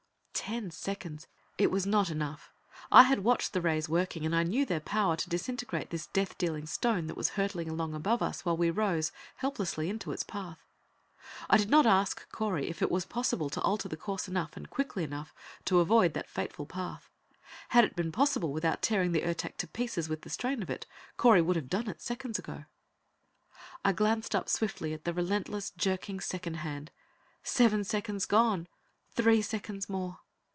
Ten seconds! It was not enough. I had watched the rays working, and I knew their power to disintegrate this death dealing stone that was hurtling along above us while we rose, helplessly, into its path. I did not ask Correy if it was possible to alter the course enough, and quickly enough, to avoid that fateful path. Had it been possible without tearing the Ertak to pieces with the strain of it, Correy would have done it seconds ago. I glanced up swiftly at the relentless, jerking second hand. Seven seconds gone! Three seconds more.